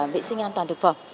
vệ sinh an toàn thực phẩm